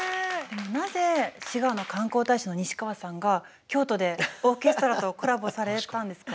なぜ滋賀の観光大使の西川さんが京都でオーケストラとコラボされたんですか？